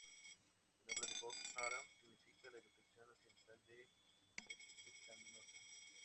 El nombre de Boko Haram significa "la educación occidental es pecaminosa".